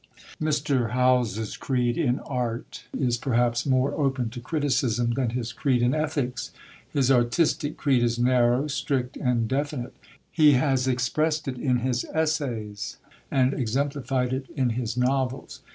Mr. Howells's creed in Art is perhaps more open to criticism than his creed in Ethics. His artistic creed is narrow, strict, and definite. He has expressed it in his essays, and exemplified it in his novels.